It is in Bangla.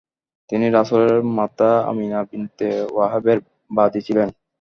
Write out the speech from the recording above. তিনি রাসূলের মাতা আমিনা বিনতে ওহাবের বাদী ছিলেন।